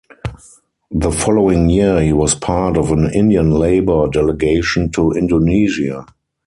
The following year he was part of an Indian Labour delegation to Indonesia.